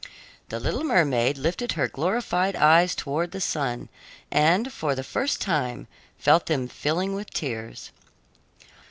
The little mermaid lifted her glorified eyes toward the sun and, for the first time, felt them filling with tears.